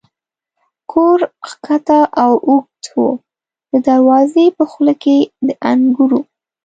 کور کښته او اوږد و، د دروازې په خوله کې د انګورو.